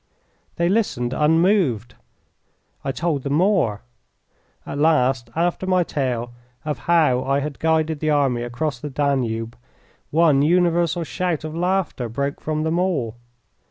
They listened unmoved. I told them more. At last, after my tale of how I had guided the army across the Danube, one universal shout of laughter broke from them all.